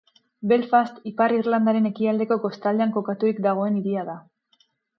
Belfast Ipar Irlandaren ekialdeko kostaldean kokaturik dagoen hiria da.